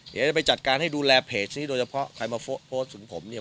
เดี๋ยวจะไปจัดการให้ดูแลเพจนี้โดยเฉพาะใครมาโพสต์ถึงผมเนี่ย